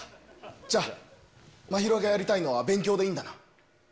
じゃあ、真宙がやりたいのは勉強でいいんだな？